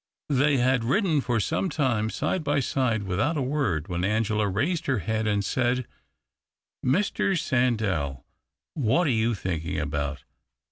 They had ridden for some time, side by side, without a word, when Angela raised her head and said —" Mr. Sandell, what are you thinking about